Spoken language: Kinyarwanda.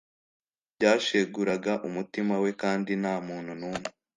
Ibyo byashenguraga umutima we kandi nta muntu n'umwe